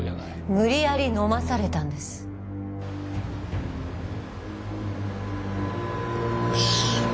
無理やり飲まされたんですよし。